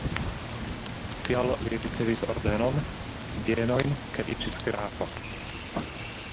Tial li ricevis ordenon, bienojn kaj iĝis grafo.